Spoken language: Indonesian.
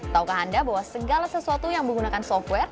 taukah anda bahwa segala sesuatu yang menggunakan software